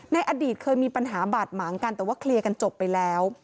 ในอดีตเคยมีปัญหาบาดหมางกันแต่ว่าเคลียร์กันจบไปแล้ว